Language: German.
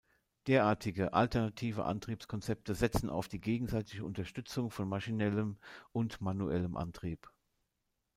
Derartige, alternative Antriebskonzepte setzen auf die gegenseitige Unterstützung von maschinellem und manuellem Antrieb.